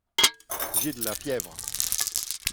J'ai de la fièvre.